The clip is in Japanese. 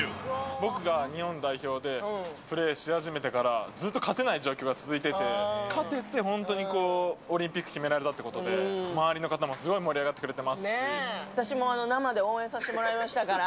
僕が日本代表でプレーし始めてから、ずっと勝てない状況が続いてて、勝っていってオリンピック決められたってことで、周りの方もすご私も生で応援させてもらいましたから。